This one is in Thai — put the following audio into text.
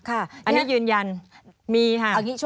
อันนี้ยืนยันมีค่ะ